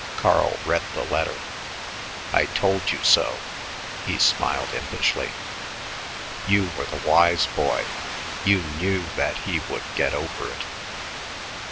Carl read the letter. "I told you so." He smiled impishly. "You were the wise boy; you knew that he would get over it."